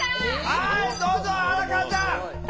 はいどうぞ荒川ちゃん！